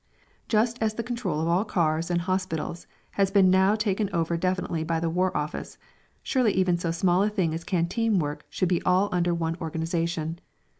Just as the control of all cars and hospitals has been now taken over definitely by the War Office, surely even so small a thing as canteen work should all be under one organisation.